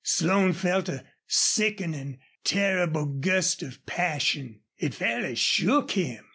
Slone felt a sickening, terrible gust of passion. It fairly shook him.